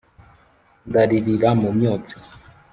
ndaririra mu myotsi